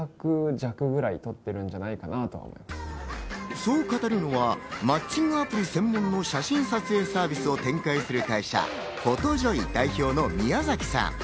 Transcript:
そう語るのは、マッチングアプリ専門の写真撮影サービスを展開する会社・Ｐｈｏｔｏｊｏｙ代表の宮崎さん。